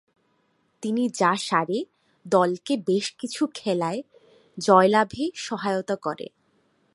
তিনি যা সারে দলকে বেশকিছু খেলায় জয়লাভে সহায়তা করে।